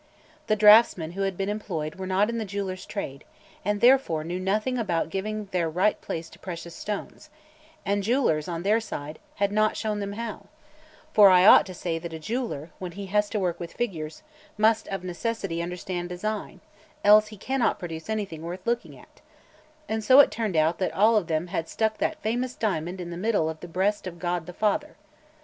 The draughtsmen who had been employed were not in the jeweller's trade, and therefore, knew nothing about giving their right place to precious stones; and the jewellers, on their side, had not shown them how; for I ought to say that a jeweller, when he has to work with figures, must of necessity understand design, else he cannot produce anything worth looking at: and so it turned out that all of them had stuck that famous diamond in the middle of the breast of God the Father.